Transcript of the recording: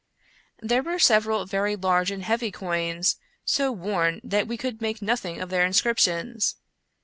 There were several very large and heavy coins, so worn that we could make nothing of their inscriptions.